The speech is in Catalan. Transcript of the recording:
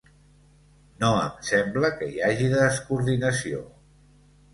No em sembla que hi hagi descoordinació.